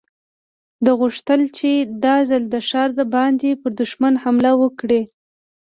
ده غوښتل چې دا ځل له ښاره د باندې پر دښمن حمله وکړي.